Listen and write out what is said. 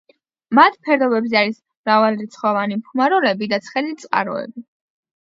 მათ ფერდობებზე არის მრავალრიცხოვანი ფუმაროლები და ცხელი წყაროები.